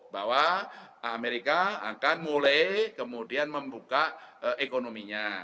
bahwa amerika akan mulai kemudian membuka ekonominya